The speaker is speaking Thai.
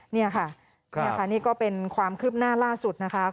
นี่ค่ะนี่ค่ะนี่ก็เป็นความคืบหน้าล่าสุดนะคะ